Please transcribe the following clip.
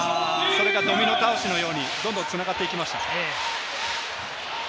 ドミノ倒しのようにどんどん繋がっていきました。